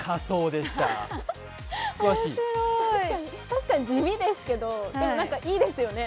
確かに地味ですけどでもいいですよね